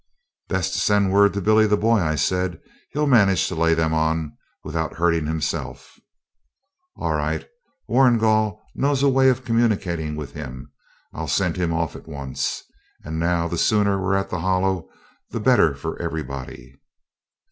'Best send word to Billy the Boy,' I said; 'he'll manage to lay them on without hurting himself.' 'All right. Warrigal knows a way of communicating with him; I'll send him off at once. And now the sooner we're at the Hollow the better for everybody.'